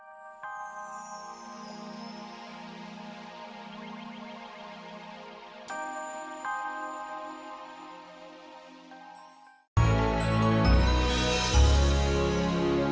aku bisa jalan bisa jalan